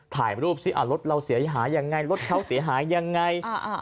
ถ่ายรูปสิรถเราเสียหายยังไงรถเขาเสียหายยังไง